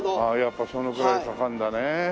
ああやっぱそのぐらいかかるんだね。